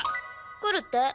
来るって。